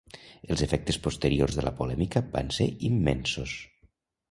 Els efectes posteriors de la polèmica van ser immensos.